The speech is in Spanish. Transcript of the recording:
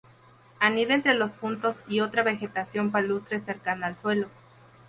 Anida entre los juntos y otra vegetación palustre cercana al suelo.